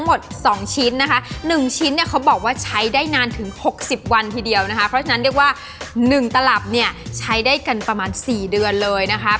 เพราะฉะนั้นเรียกว่า๑ตลับใช้ได้กันประมาณ๔เดือนเลยนะคะ